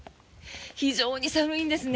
非常に寒いんですね。